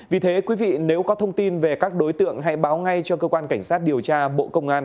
vì thế quý vị nếu có thông tin về các đối tượng hãy báo ngay cho cơ quan cảnh sát điều tra bộ công an